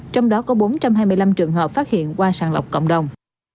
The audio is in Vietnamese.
trong đó có bốn trăm hai mươi năm trường hợp phát hiện qua sàng lọc cộng đồng